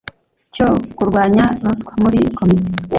cyo kurwanya ruswa muri komite